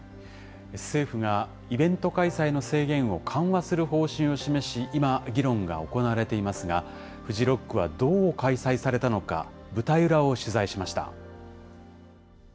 政府がイベント開催の制限を緩和する方針を示し、今、議論が行われていますが、フジロックはどう開催されたのか、舞台裏を取材しました。